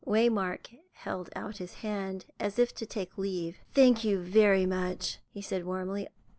Waymark held out his hand, as if to take leave. "Thank you very much," he said warmly.